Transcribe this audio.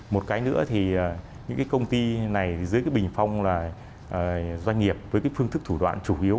một cái nữa thì những cái công ty này dưới cái bình phong là doanh nghiệp với cái phương thức thủ đoạn chủ yếu